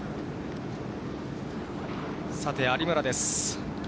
さて、有村です。